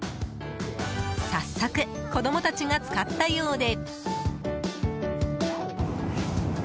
早速、子供たちが使ったようで。